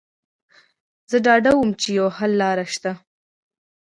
زه ډاډه وم چې یوه حل لاره شته